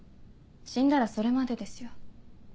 死んだらそれまでですよ。